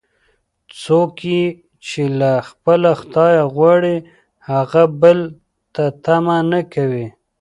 څوک یې چې له خپله خدایه غواړي، هغه بل ته طمعه نه کوي.